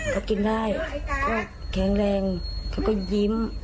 เขากินได้ก็แข็งแรงเขาก็ยิ้ม